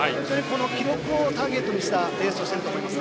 記録をターゲットにしたレースをしていると思います。